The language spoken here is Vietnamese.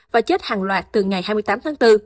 và chết hàng loạt từ ngày hai mươi tám tháng bốn